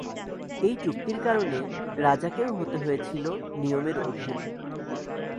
এই চুক্তির কারণে রাজা কেও হতে হয়েছিলো নিয়মের অধীন।